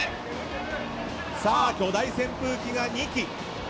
巨大扇風機が２機。